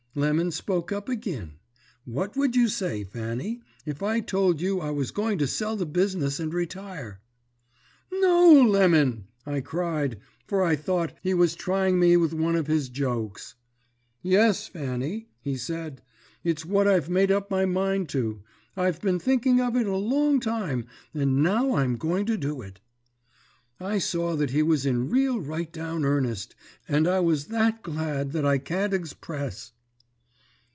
"Lemon spoke up agin. 'What would you say, Fanny, if I told you I was going to sell the business and retire?' "'No, Lemon!' I cried, for I thought, he was trying me with one of his jokes. "'Yes, Fanny,' he said, 'it's what I've made up my mind to. I've been thinking of it a long time, and now I'm going to do it.' "I saw that he was in real rightdown earnest, and I was that glad that I can't egspress.